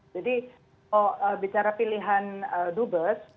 jadi kalau bicara pilihan dubes